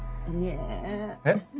えっ？